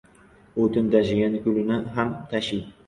• O‘tin tashigan kulini ham tashiydi.